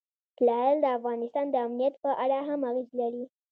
لعل د افغانستان د امنیت په اړه هم اغېز لري.